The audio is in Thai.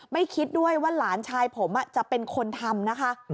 ไม่คิดด้วยว่าหลานชายผมจะเป็นคนทำนะคะ